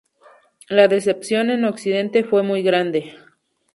La decepción en Occidente fue muy grande.